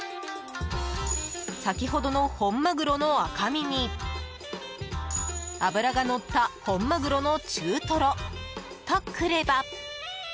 先ほどの本マグロの赤身に脂がのった本マグロの中トロとくれば。